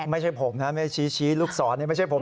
ไม่ใช่ผมนะชี้ลูกศรไม่ใช่ผม